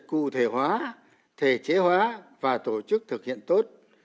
cụ thể hóa thể chế hóa và tổ chức thực hiện tốt